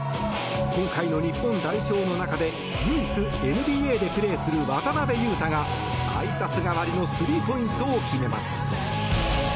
今回の日本代表の中で唯一ＮＢＡでプレーする渡邊雄太が、あいさつ代わりのスリーポイントを決めます。